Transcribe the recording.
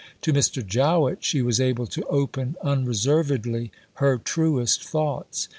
To Mr. Jowett she was able to open unreservedly her truest thoughts.